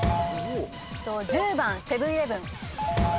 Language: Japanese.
１０番セブン−イレブン。